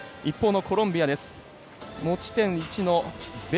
一方のコロンビアです。